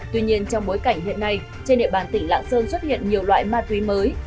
tuy nhiên trong bối cảnh hiện nay trên địa bàn tỉnh lạng sơn xuất hiện nhiều loại ma túy mới